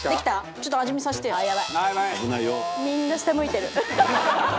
ちょっと味見させてや。